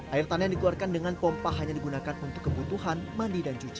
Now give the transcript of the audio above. air tanah yang dikeluarkan dengan pompa hanya digunakan untuk kebutuhan mandi dan cuci